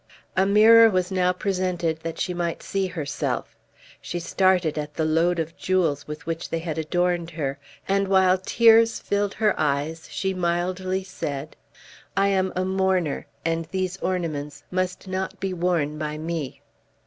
A mirror was now presented that she might see herself. She started at the load of jewels with which they had adorned her, and while tears filled her eyes, she mildly said: "I am a mourner, and these ornaments must not be worn by me."